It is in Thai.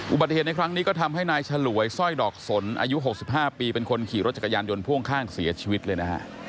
อุบัติเหตุในครั้งนี้ก็ทำให้นายฉลวยสร้อยดอกสนอายุ๖๕ปีเป็นคนขี่รถจักรยานยนต์พ่วงข้างเสียชีวิตเลยนะฮะ